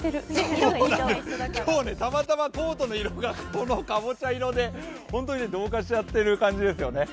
今日、たまたまコートの色がかぼちゃ色で、本当に同化しちゃってる感じですよね。